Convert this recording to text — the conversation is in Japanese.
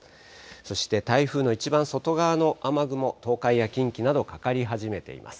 そして台風の一番外側の雨雲、東海や近畿などかかり始めています。